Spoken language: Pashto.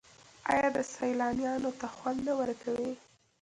آیا دا سیلانیانو ته خوند نه ورکوي؟